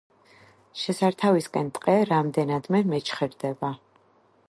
შესართავისაკენ ტყე რამდენადმე მეჩხერდება.